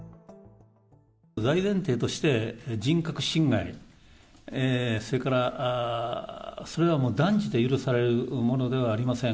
大前提として、人格侵害、それからそれはもう断じて許されるものではありません。